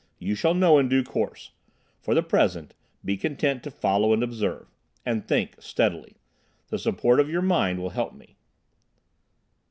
You shall know in due course. For the present—be content to follow and observe. And think, steadily. The support of your mind will help me."